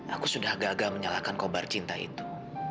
aku sudah agak agak menyalahkan kobar cinta itu